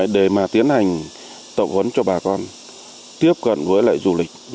để mà tiến hành tổng hấn cho bà con tiếp cận với lại du lịch